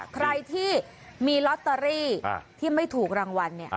ใครที่มีลอตเตอรี่ที่ไม่ถูกรางวัลเนี่ย